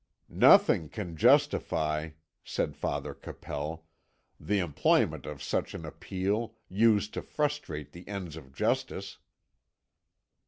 "Nothing can justify," said Father Capel, "the employment of such an appeal, used to frustrate the ends of justice."